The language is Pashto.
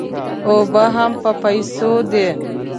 اوبه هم په پیسو دي.